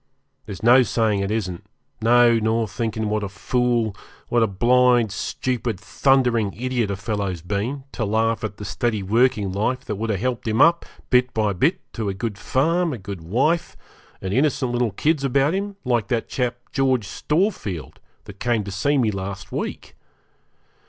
There's no saying it isn't; no, nor thinking what a fool, what a blind, stupid, thundering idiot a fellow's been, to laugh at the steady working life that would have helped him up, bit by bit, to a good farm, a good wife, and innocent little kids about him, like that chap, George Storefield, that came to see me last week.